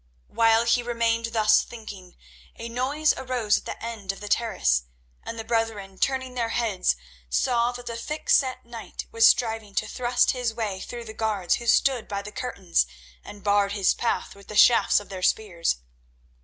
While he remained thus thinking, a noise arose at the end of the terrace, and the brethren, turning their heads, saw that the thick set knight was striving to thrust his way through the guards who stood by the curtains and barred his path with the shafts of their spears.